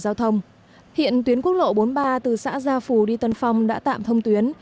giao thông hiện tuyến quốc lộ bốn mươi ba từ xã gia phù đi tân phong đã tạm thông tuyến